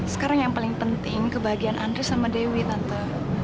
sekarang yang paling penting kebahagiaan andri sama dewi tante